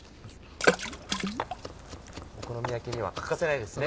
お好み焼きには欠かせないですね